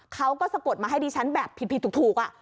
เขาก็สะกดมาให้ดิฉันแบบผิดถูก